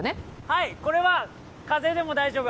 はい、これは風でも大丈夫。